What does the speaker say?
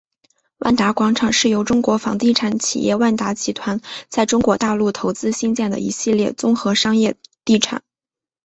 万达广场是由中国房地产企业万达集团在中国大陆投资兴建的一系列综合商业地产。